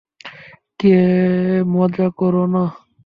কে, মজা করো না।